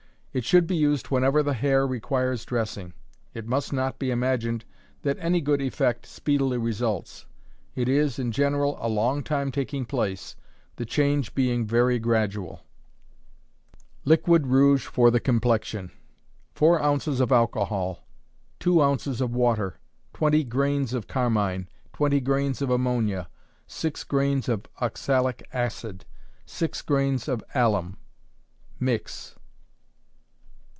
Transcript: It should be used whenever the hair requires dressing. It must not be imagined that any good effect speedily results; it is, in general, a long time taking place, the change being very gradual. Liquid Rouge for the Complexion. Four ounces of alcohol, two ounces of water, twenty grains of carmine; twenty grains of ammonia, six grains of oxalic acid, six grains of alum mix.